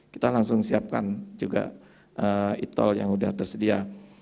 kita langsung siapkan juga e tol yang sudah tersedia